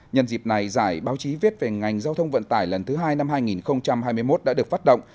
nhân dịp này giải báo chí viết về ngành giao thông vận tải lần thứ hai năm hai nghìn hai mươi một đã được phát động